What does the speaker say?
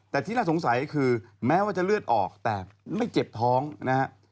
แต่ที่น่าสงสัยคือแม้ว่าจะเลือดออกแต่ไม่เจ็บท้องนะฮะ